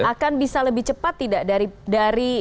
akan bisa lebih cepat tidak dari